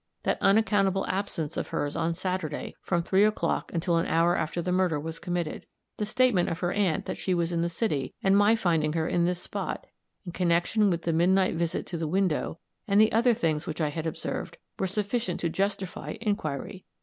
That unaccountable absence of hers on Saturday, from three o'clock until an hour after the murder was committed; the statement of her aunt that she was in the city, and my finding her in this spot, in connection with the midnight visit to the window, and the other things which I had observed, were sufficient to justify inquiry.